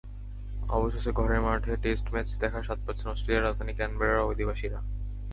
অবশেষে ঘরের মাঠে টেস্ট ম্যাচ দেখার স্বাদ পাচ্ছেন অস্ট্রেলিয়ার রাজধানী ক্যানবেরার অধিবাসীরা।